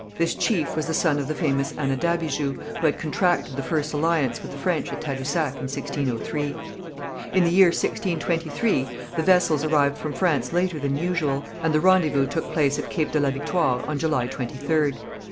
This chief was the son of the famous Anadabijou, who had contracted the first alliance with the French at Tadousac in 1603. In the year 1623, the vessels arrived from France later than usual, and the rendezvous took place at Cape de la Victoire on July 23rd.